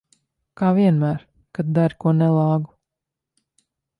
Kā vienmēr, kad dari ko nelāgu.